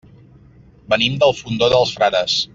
Venim del Fondó dels Frares.